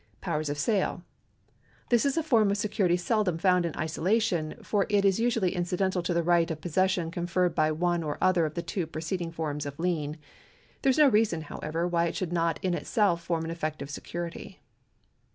Potvers of sale. This is a form of security seldom found in isolation, for it is usually incidental to the right of possession conferred by one or other of the two preceding forms of lien. There is no reason, however, why it should not in itself form an effective security.